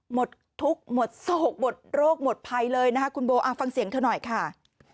หมดทุกข์หมดโรคหมดภัยเลยคุณโบฟังเสียงเธอหน่อยค่ะ